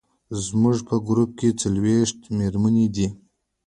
زموږ په ګروپ کې څلوېښت مېرمنې دي.